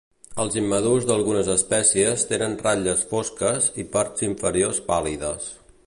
Els immadurs d'algunes espècies tenen ratlles fosques i parts inferiors pàl·lides.